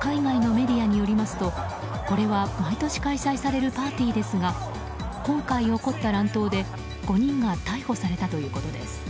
海外のメディアによりますとこれは毎年開催されるパーティーですが今回起こった乱闘で５人が逮捕されたということです。